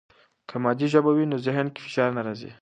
که مادي ژبه وي، نو ذهن کې فشار نه راځي.